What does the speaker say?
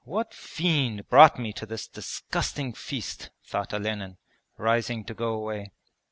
'What fiend brought me to this disgusting feast?' thought Olenin, rising to go away.